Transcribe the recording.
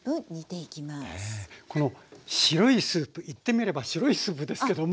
この白いスープ言ってみれば白いスープですけども。